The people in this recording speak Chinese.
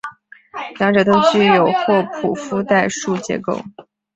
两者都具有霍普夫代数结构。